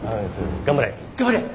頑張れ。